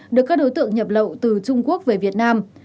được các đối tượng nhập lậu từ trung quốc về việt nam